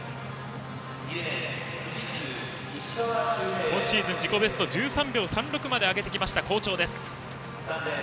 石川周平は今シーズン自己ベスト、１３秒３６まで上げてきました好調の選手です。